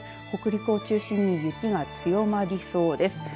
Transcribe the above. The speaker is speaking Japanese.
北陸を中心に雪が強まりそうです。